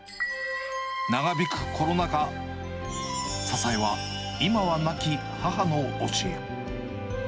長引くコロナ禍、支えは、今は亡き母の教え。